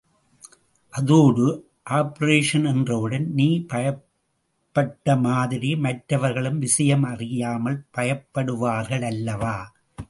அதோடு ஆப்பரேஷன் என்றவுடன் நீ பயப்பட்ட மாதிரி மற்றவர்களும் விஷயம் அறியாமல் பயப்படுவார்கள் அல்லவா?